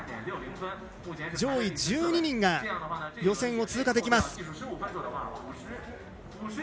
上位１２人が予選を通過できます。